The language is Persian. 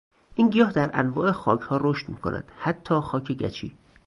این گیاه در انواع خاکها رشد میکند حتی خاک گچی.